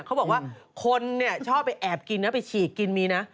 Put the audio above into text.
เขาบอกว่าคนชอบไปแอบกินนะไปฉีกกินมีนะ